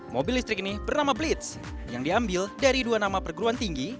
mobil listrik ini bernama blitz yang diambil dari dua nama perguruan tinggi